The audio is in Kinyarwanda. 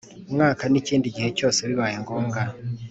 mwaka n ikindi gihe cyose bibaye ngombwa